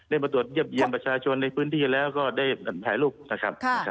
มาตรวจเยี่ยมเยี่ยมประชาชนในพื้นที่แล้วก็ได้ถ่ายรูปนะครับ